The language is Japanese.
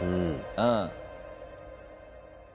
うん。